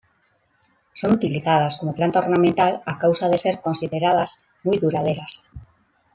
Son utilizadas como planta ornamental a causa de ser consideradas muy duraderas.